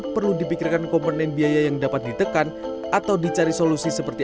perlu dipikirkan komponen biaya yang dapat ditekan atau dicari solusi seperti